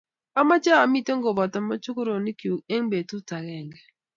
Amache amite kopoto mokochoronikyuk eng ni petut akenge